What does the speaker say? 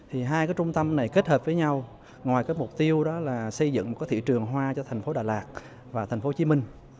hai cái trung tâm này kết hợp với nhau ngoài cái mục tiêu đó là xây dựng một cái thị trường hoa cho tp đà lạt và tp hồ chí minh